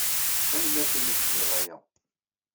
Tanemmirt imi ay tebḍiḍ aya!